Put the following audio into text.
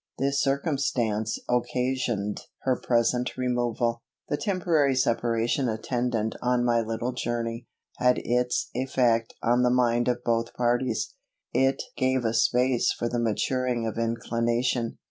This circumstance occasioned her present removal. The temporary separation attendant on my little journey, had its effect on the mind of both parties. It gave a space for the maturing of inclination.